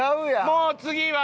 もう次は。